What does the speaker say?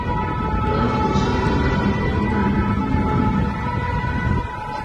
Kaa ŋù à sɨ a ndanɨ̀kwabə̀ ghɛ̀ɛ̀ m̀bɨɨ tɨ ànnù.